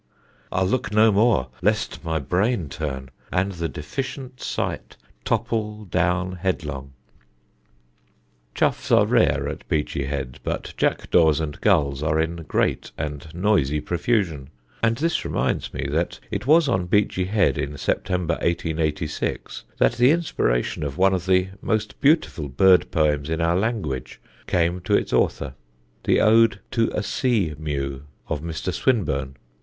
I'll look no more, Lest my brain turn, and the deficient sight Topple down headlong. [Sidenote: "TO A SEAMEW"] Choughs are rare at Beachy Head, but jackdaws and gulls are in great and noisy profusion; and this reminds me that it was on Beachy Head in September, 1886, that the inspiration of one of the most beautiful bird poems in our language came to its author the ode "To a Seamew" of Mr. Swinburne.